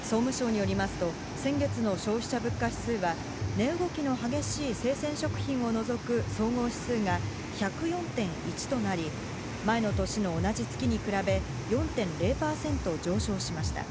総務省によりますと先月の消費者物価指数は、値動きの激しい生鮮食品を除く総合指数が１０４．１となり、前の年の同じ月に比べ４．０％上昇しました。